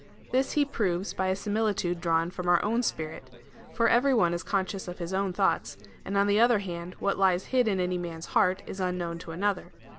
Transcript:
This he proves by a similitude drawn from our own spirit : for every one is conscious of his own thoughts, and on the other hand what lies hid in any man's heart, is unknown to another.